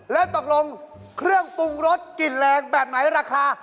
แล้วตกลงเครื่องปรุงรสกลิ่นแรงแบบไหนราคา